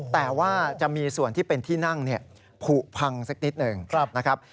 แต่ว่าจะมีส่วนที่เป็นที่นั่งผูกพังสักนิดหนึ่งนะครับ